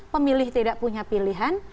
pemilih tidak punya pilihan